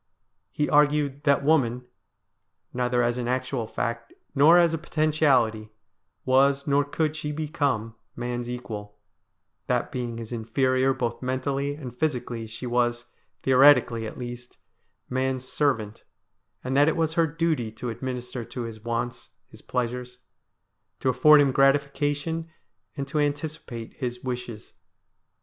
He argued that woman, neither as an actual fact, nor as a potentiality, was, nor could she become, man's equal ; that being his inferior both mentally and physically, she was, theoretically at least, man's servant, and that it was her duty to administer to his wants, his pleasures ; to afford him gratification and to anticipate his wishes.